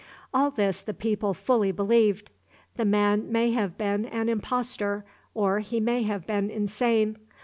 All this the people fully believed. The man may have been an impostor, or he may have been insane.